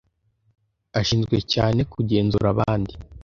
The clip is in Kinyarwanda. ashinzwe cyane kugenzura abandi